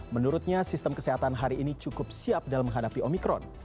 menurutnya sistem kesehatan hari ini cukup siap dalam menghadapi omikron